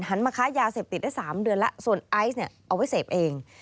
มาค้ายาเสพติดได้๓เดือนแล้วส่วนไอซ์เนี่ยเอาไว้เสพเอง